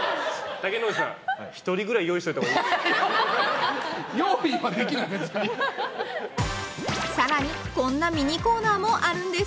竹野内さん、１人ぐらい用意しておいたほうがいいです。